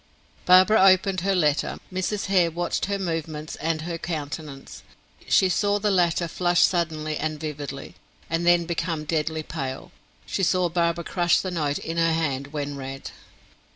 Barbara opened her letter; Mrs. Hare watched her movements and her countenance. She saw the latter flush suddenly and vividly, and then become deadly pale; she saw Barbara crush the note in her hand when read.